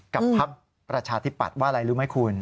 พักประชาธิปัตย์ว่าอะไรรู้ไหมคุณ